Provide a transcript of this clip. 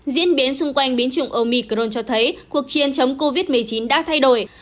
diễn biến xung quanh biến chủng omicron cho thấy cuộc chiến chống covid một mươi chín đã thay đổi